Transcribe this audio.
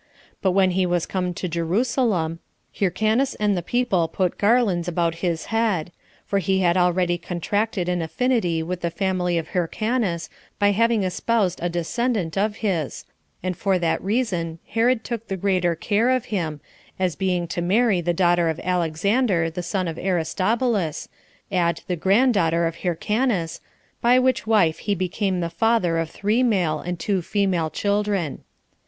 But when he was come to Jerusalem, Hyrcanus and the people put garlands about his head; for he had already contracted an affinity with the family of Hyrcanus by having espoused a descendant of his, and for that reason Herod took the greater care of him, as being to marry the daughter of Alexander, the son of Aristobulus, add the granddaughter of Hyrcanus, by which wife he became the father of three male and two female children.